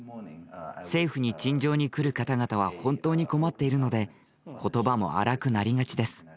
政府に陳情に来る方々は本当に困っているので言葉も荒くなりがちです。